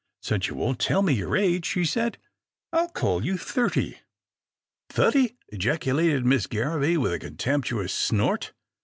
" Since you won't tell me your age," she said, " I'll call you thirty." " Thutty !" ejaculated Miss Garraby with a con temptuous snort.